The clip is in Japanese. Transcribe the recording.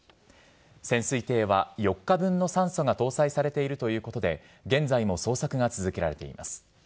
潜水艇は４日分の酸素が搭載されているということで、現在も捜索が続けられています。